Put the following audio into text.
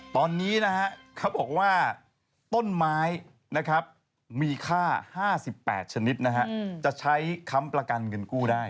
ตอนนี้เขาบอกว่าต้นไม้มีค่า๕๘ชนิดจะใช้คำประกันเงินกู้ได้